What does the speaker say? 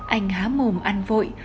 anh há mồm ăn vội